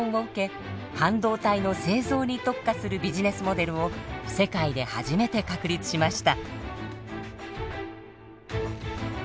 半導体の製造に特化するビジネスモデルを世界で初めて確立しました。